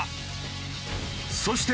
そして